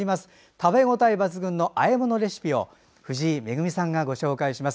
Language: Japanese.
食べ応え抜群のあえ物レシピを藤井恵さんがご紹介します。